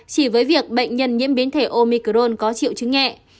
chỉ với việc bệnh nhân nhiễm biến thể omicron có triệu chứng nhẹ